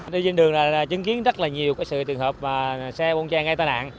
đi trên đường là chứng kiến rất là nhiều cái sự trường hợp xe quân trang gây tai nạn